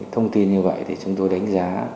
thông tin như vậy thì chúng tôi đánh giá